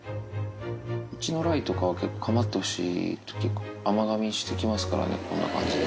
うちの雷とかは、結構、かまってほしいとき、甘がみしてきますからね、こんな感じで。